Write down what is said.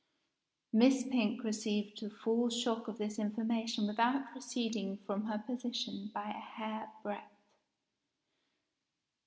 Miss Pink received the full shock of this information without receding from her position by a hair breadth.